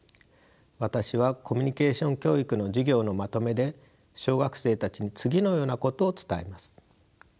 私はコミュニケーション教育の授業のまとめで小学生たちに次のようなことを伝えます。